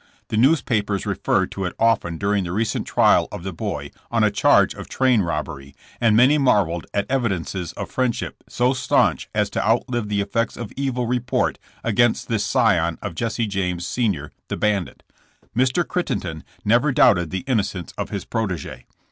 The newspapers referred to it often during the recent trial of the boy, on a charge of train robbery, and many marveled at evi dences of fellowship so staunch as to outlive the effects of evil report against this scion of Jesse James, sr., the bandit. Mr. Crittenden never doubted the innocence of his protege.